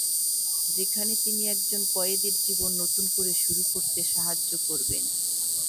যেখানে তিনি একজন কয়েদির জীবন নতুন করে শুরু করতে সাহায্য করবেন।